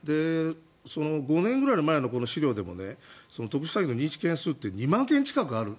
５年ぐらい前の資料でも特殊詐欺の認知件数って２万件近くある。